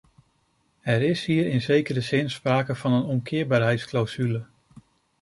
Er is hier in zekere zin sprake van een omkeerbaarheidsclausule.